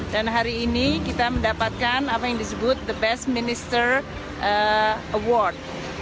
dan hari ini kita mendapatkan apa yang disebut the best minister award